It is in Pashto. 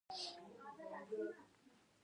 افغانستان کې وادي د هنر په اثار کې منعکس کېږي.